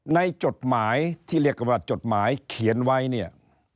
จดหมายที่เรียกว่าจดหมายเขียนไว้เนี่ย